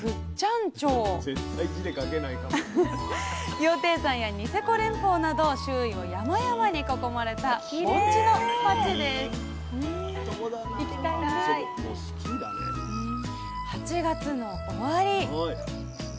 羊蹄山やニセコ連峰など周囲を山々に囲まれた盆地の町です８月の終わり。